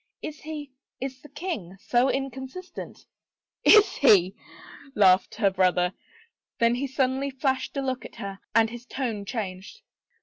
" Is he — is the king — so inconstant ?"" Is he ?" laughed her brother. Then he suddenly flashed a look at her and his tone changed.